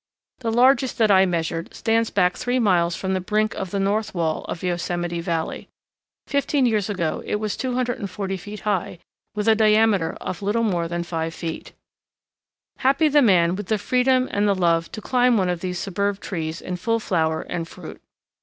The largest that I measured stands back three miles from the brink of the north wall of Yosemite Valley. Fifteen years ago it was 240 feet high, with a diameter of a little more than five feet. Happy the man with the freedom and the love to climb one of these superb trees in full flower and fruit.